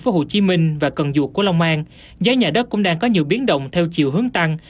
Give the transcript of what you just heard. cần giờ của tp hcm và cần duộc của long an giá nhà đất cũng đang có nhiều biến động theo chiều hướng tăng